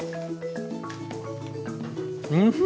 うん！